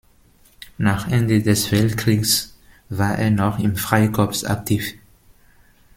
Nach Ende des Weltkriegs war er noch im Freikorps aktiv.